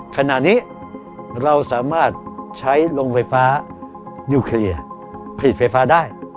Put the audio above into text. ขณะนี้เราสามารถใช้โรงไฟฟ้านิวเคลียร์ผลิตไฟฟ้าได้